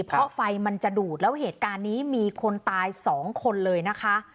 เพราะไฟมันจะดูดแล้วเหตุการณ์นี้มีคนตายสองคนเลยนะคะ